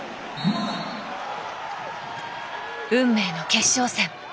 運命の決勝戦。